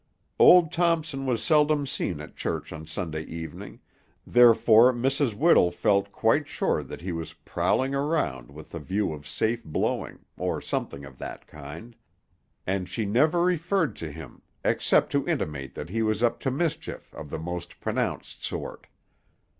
Old Thompson was seldom seen at church on Sunday evening, therefore Mrs. Whittle felt quite sure that he was prowling around with a view of safe blowing, or something of that kind, and she never referred to him except to intimate that he was up to mischief of the most pronounced sort.